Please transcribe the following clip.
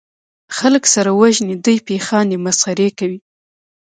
خلک سره وژني دي پې خاندي مسخرې کوي